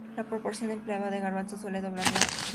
La proporción empleada de garbanzos suele doblar la de arroz.